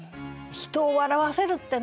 人を笑わせるってね